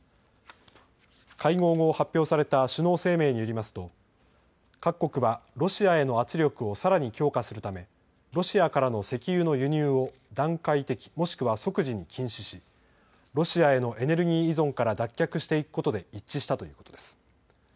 会合後、発表された首脳声明によりますと各国はロシアへの圧力をさらに強化するためロシアからの石油の輸入を段階的、もしくは即時に禁止し、ロシアへのエネルギー依存から脱却していくことで一致したということです。